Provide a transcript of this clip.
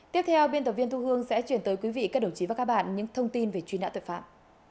tiếp theo biên tập viên thu hương sẽ chuyển tới quý vị các đồng chí và các bạn những thông tin về truy nã tội phạm